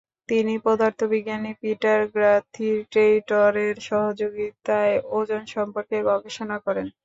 তিনি পদার্থবিজ্ঞানী Peter Guthrie টেইটের সহযোগিতায় ওজোন সম্পর্কে গবেষণা করেন।